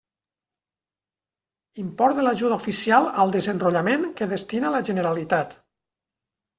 Import de l'ajuda oficial al desenrotllament que destina la Generalitat.